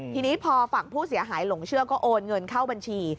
ทีนี้พอฝั่งผู้เสียหายหลงเชื่อก็โอนเงินเข้าบัญชี